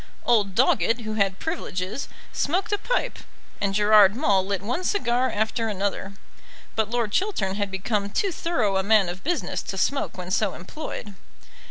Old Doggett, who had privileges, smoked a pipe, and Gerard Maule lit one cigar after another. But Lord Chiltern had become too thorough a man of business to smoke when so employed.